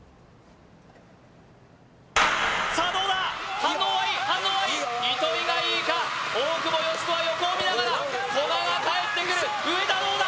さあどうだ反応はいい反応はいい糸井がいいか大久保嘉人は横を見ながら古賀がかえってくる上田どうだ